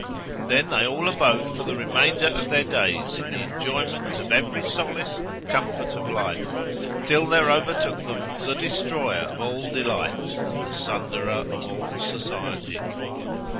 Then they all abode for the remainder of their days in the enjoyment of every solace and comfort of life, till there overtook them the Destroyer of all delights and the Sunderer of all societies.